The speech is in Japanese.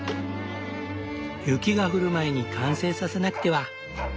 雪が降る前に完成させなくては。